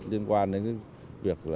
liên quan đến việc